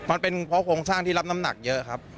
มันเป็นเพราะโครงสร้างที่รับน้ำหนักเยอะครับ